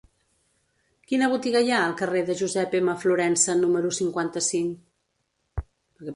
Quina botiga hi ha al carrer de Josep M. Florensa número cinquanta-cinc?